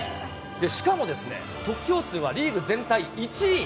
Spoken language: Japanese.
しかもですね、得票数はリーグ全体１位。